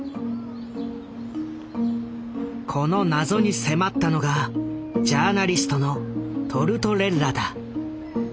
この謎に迫ったのがジャーナリストのトルトレッラだ。